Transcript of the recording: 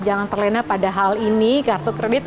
jangan terlena pada hal ini kartu kredit